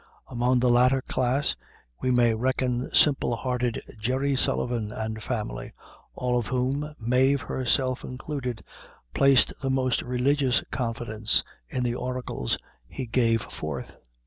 Among the latter class we may reckon simple hearted Jerry Sullivan and family, all of whom, Mave herself included, placed the most religious confidence in the oracles he gave forth.